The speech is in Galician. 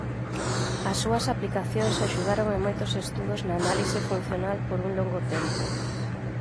As súas aplicacións axudaron en moitos estudos na análise funcional por un longo tempo.